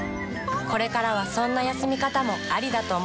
これからはそんな休み方もありだと思うのです。